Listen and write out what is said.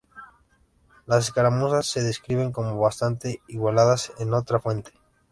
Las escaramuzas se describen como bastante igualadas en otra fuente.